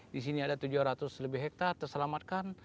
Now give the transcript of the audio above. di sini ada tujuh ratus lebih hektare terselamatkan